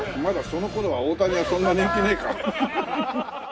まだその頃は大谷はそんな人気ねえか。